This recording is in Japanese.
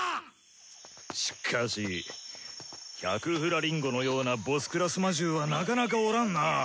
しかし百フラリンゴのような頭級魔獣はなかなかおらんな。